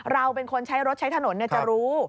เราเป็นคนใช้รถใช้ถนนจะรู้